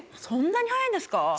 そんなに速いんですか。